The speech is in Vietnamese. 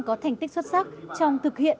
có thành tích xuất sắc trong thực hiện